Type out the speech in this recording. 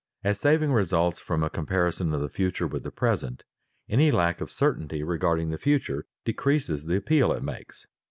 _ As saving results from a comparison of the future with the present, any lack of certainty regarding the future decreases the appeal it makes.